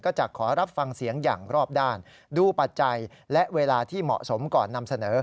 จะขอรับฟังเสียงอย่างรอบด้านดูปัจจัยและเวลาที่เหมาะสมก่อนนำเสนอ